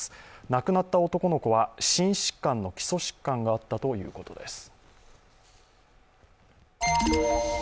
亡くなった男の子は、心疾患の基礎疾患があったということです。